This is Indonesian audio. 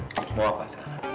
mau apa mas